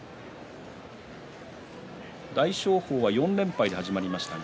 大翔鵬は４連敗で始まりましたが